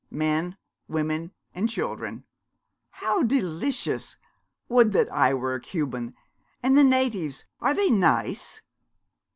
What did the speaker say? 'Men, women, and children.' 'How delicious! Would that I were a Cuban! And the natives, are they nice?'